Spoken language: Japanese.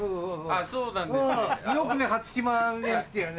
あそうなんですね。